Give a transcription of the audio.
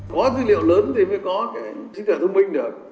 có dữ liệu lớn thì mới có cái chính thức thông minh được